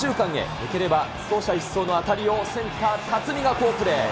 抜ければ走者一掃の当たりをセンター、辰巳が好プレー。